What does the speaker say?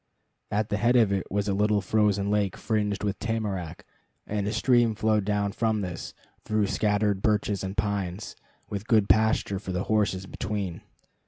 At the head of it was a little frozen lake fringed with tamarack, and a stream flowed down from this through scattered birches and pines, with good pasture for the horses between.